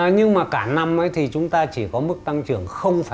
nhưng mà cả năm chúng ta chỉ có mức tăng trưởng bốn mươi bốn